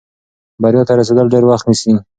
بریا ته رسېدل ډېر وخت نیسي.